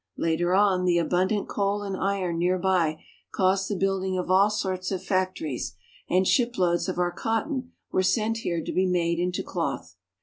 Later on, the abundant coal and iron near by caused the building of all sorts of factories, and shiploads of our cotton were sent here to be made into cloth.